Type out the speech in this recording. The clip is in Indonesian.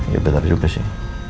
ya bener juga sih